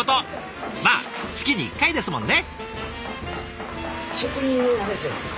まあ月に１回ですもんね。